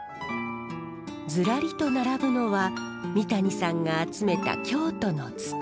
ずらりと並ぶのは三谷さんが集めた京都の土。